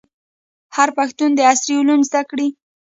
هر پښتون دي عصري علوم زده کړي.